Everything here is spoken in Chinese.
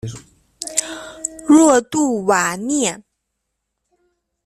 若杜瓦涅。